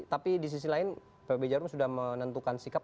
tapi di sisi lain pb jarum sudah menentukan sikap